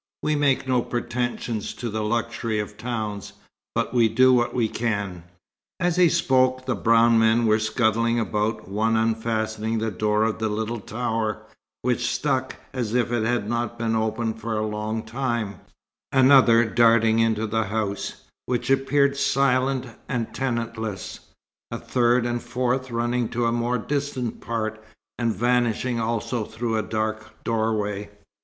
We make no pretension to the luxury of towns, but we do what we can." As he spoke, the brown men were scuttling about, one unfastening the door of a little tower, which stuck as if it had not been opened for a long time, another darting into the house, which appeared silent and tenantless, a third and fourth running to a more distant part, and vanishing also through a dark doorway.